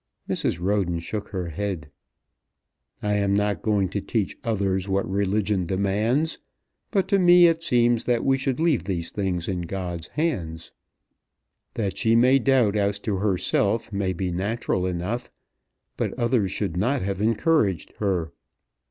Mrs. Roden shook her head. "I am not going to teach others what religion demands, but to me it seems that we should leave these things in God's hands. That she may doubt as to herself may be natural enough, but others should not have encouraged her."